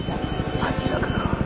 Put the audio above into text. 最悪だ。